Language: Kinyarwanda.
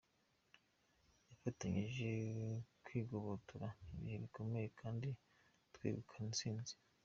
Twafatanyije kwigobotora ibihe bikomeye, kandi twegukana intsinzi.